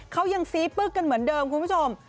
เขายังซี้ปึ๊กกันเหมือนเดิมคุณผู้ชม